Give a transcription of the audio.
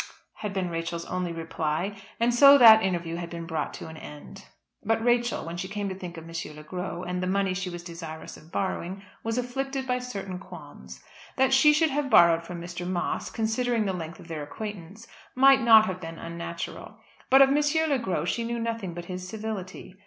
"Psha!" had been Rachel's only reply; and so that interview had been brought to an end. But Rachel, when she came to think of M. Le Gros, and the money she was desirous of borrowing, was afflicted by certain qualms. That she should have borrowed from Mr. Moss, considering the length of their acquaintance might not have been unnatural; but of M. Le Gros she knew nothing but his civility.